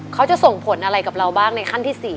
เขาจะส่งผลอะไรกับเราบ้างในขั้นที่๔